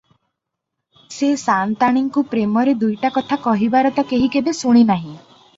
ସେ ସାଆନ୍ତାଣୀଙ୍କୁ ପ୍ରେମରେ ଦୁଇଟା କଥା କହିବାର ତ କେହି କେବେ ଶୁଣି ନାହିଁ ।